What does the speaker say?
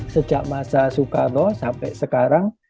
sejak masa soekarno sampai sekarang